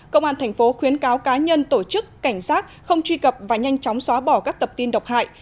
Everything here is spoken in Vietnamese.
công an thành phố khuyến cáo cá nhân tổ chức cảnh sát không truy cập và nhanh chóng xóa bỏ các tập tin độc hại